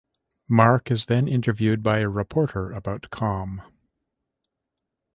Mark is then interviewed by a reporter about Kham.